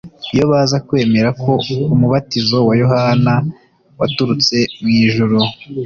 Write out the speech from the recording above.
Iyo baza kwemera ko umubatizo wa Yohana waturutse mu ijuru,